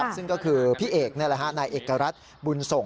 ซึ่งก็คือพี่เอกนั่นแหละนายเอกรัฐบุญส่ง